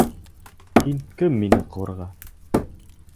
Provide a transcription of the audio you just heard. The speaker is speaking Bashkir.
Һин кем мине ҡыуырға?